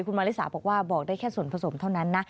คุณมาริสาบอกว่าบอกได้แค่ส่วนผสมเท่านั้นนะ